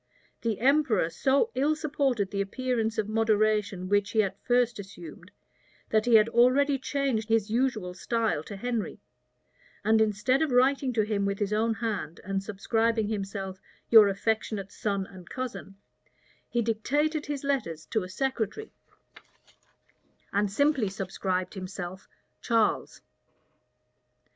The emperor so ill supported the appearance of moderation which he at first assumed, that he had already changed his usual style to Henry; and instead of writing to him with his own hand, and subscribing himself "Your affectionate son and cousin," he dictated his letters to a secretary, and simply subscribed himself "Charles."